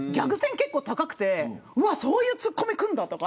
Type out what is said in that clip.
結構高くてそういうツッコミくるんだとか。